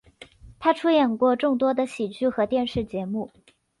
他出演过众多的喜剧和电视节目。